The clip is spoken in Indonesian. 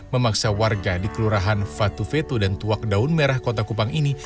memaksa warga di kelurahan fatu fetu dan tuwak daun merah kupang ini